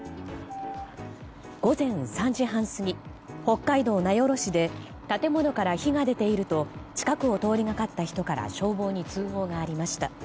午前３時半過ぎ、北海道名寄市で建物から火が出ていると近くを通りがかった人から消防に通報がありました。